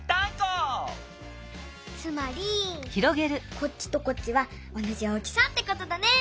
つまりこっちとこっちはおなじ大きさってことだね！